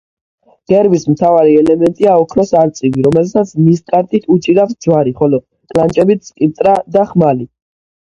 გერბის მთავარი ელემენტია ოქროს არწივი, რომელსაც ნისკარტით უჭირავს ჯვარი, ხოლო კლანჭებით სკიპტრა და ხმალი.